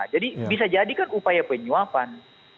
jadi bisa jadi kan upaya penyuapan